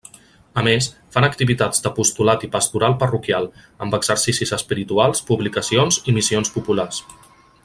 A més, fan activitats d'apostolat i pastoral parroquial, amb exercicis espirituals, publicacions i missions populars.